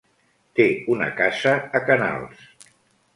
Té una casa a Canals.